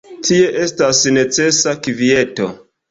Tie estas necesa kvieto.